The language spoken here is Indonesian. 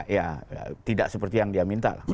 ya tidak seperti yang dia minta lah